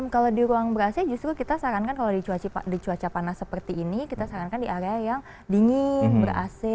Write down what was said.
kalau di ruang ber ac justru kita sarankan kalau di cuaca panas seperti ini kita sarankan di area yang dingin ber ac